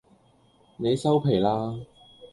你收皮啦